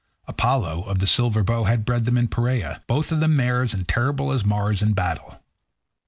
Apollo, of the silver bow, had bred them in Perea—both of them mares, and terrible as Mars in battle.